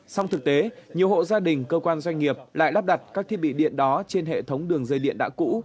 song thực tế nhiều hộ gia đình cơ quan doanh nghiệp lại lắp đặt các thiết bị điện đó trên hệ thống đường dây điện đã cũ